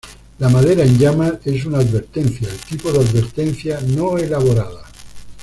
La madera en llamas es una advertencia, el tipo de advertencia no elaborada.